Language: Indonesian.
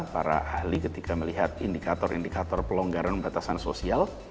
para ahli ketika melihat indikator indikator pelonggaran batasan sosial